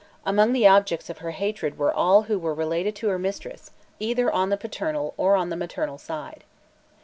Among the objects of her hatred were all who were related to her mistress either on the paternal or on the maternal side.